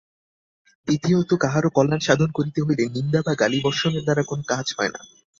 দ্বিতীয়ত কাহারও কল্যাণ সাধন করিতে হইলে নিন্দা বা গালিবর্ষণের দ্বারা কোন কাজ হয় না।